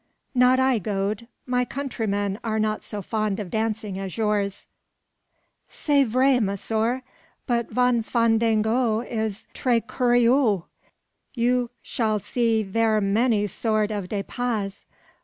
"Not I, Gode. My countrymen are not so fond of dancing as yours." "C'est vrai, monsieur; but von fandango is tres curieux. You sall see ver many sort of de pas.